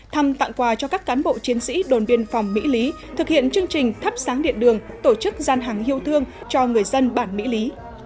thăm tặng quà cho các cán bộ chiến sĩ đồn biên phòng mỹ lý thực hiện chương trình thắp sáng điện đường tổ chức gian hàng yêu thương cho người dân bản mỹ lý